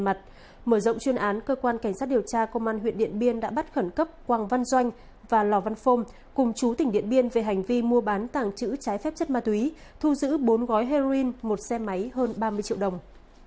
mở rộng chuyên án cơ quan cảnh sát điều tra công an huyện điện biên đã bắt khẩn cấp quang văn doanh và lò văn phong cùng chú tỉnh điện biên về hành vi mua bán tàng trữ trái phép chất ma túy thu giữ bốn gói heroin một xe máy hơn ba mươi triệu đồng